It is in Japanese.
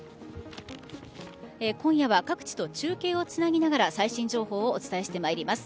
今夜は各地と中継をつなぎながら最新情報をお伝えしてまいります。